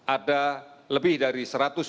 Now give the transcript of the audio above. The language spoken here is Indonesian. ada lebih dari satu ratus tujuh puluh tiga